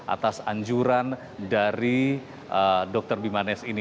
atas anjuran dari dr bimanesh ini